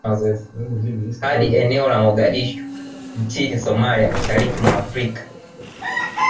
Hadi eneo la Mogadishu nchini Somalia mashariki mwa Afrika